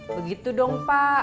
begitu dong pak